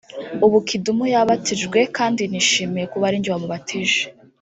ubu Kidum yabatijwe kandi nishimiye kuba ari njye wamubatije”